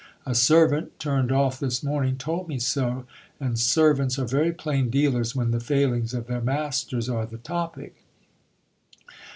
A servant, turned off this morning, told me so, and servants are very plain dealers when the failings of their masters are the topic.